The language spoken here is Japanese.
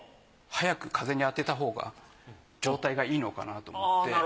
早く風にあてたほうが状態がいいのかなと思って。